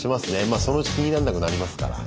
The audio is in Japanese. まあそのうち気になんなくなりますから。